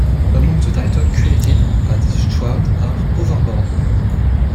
Among the titles created at Stroud are Overboard!